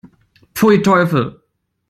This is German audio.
Pfui, Teufel!